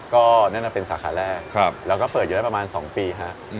ก็นั่นเป็นสาขาแรกแล้วก็เปิดอยู่ได้ประมาณ๒ปีครับ